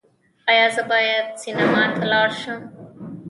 ایا زه باید سینما ته لاړ شم؟